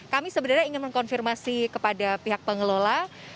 kami sebenarnya ingin mengkonfirmasi kepada pihak pengelola